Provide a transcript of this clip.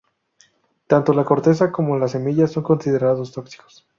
Tanto la corteza como la semilla son considerados tóxicos.